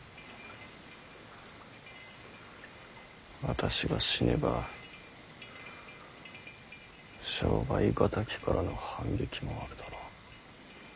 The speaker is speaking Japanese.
私が死ねば商売敵からの反撃もあるだろう。